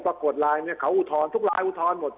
ปรากฏไลน์เนี่ยเขาอุทธรณ์ทุกลายอุทธรณ์หมด